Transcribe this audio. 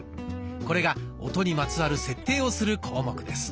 これが音にまつわる設定をする項目です。